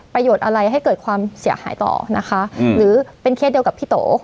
อะไรให้เกิดความเสียหายต่อนะคะหรือเป็นเคสเดียวกับพี่โต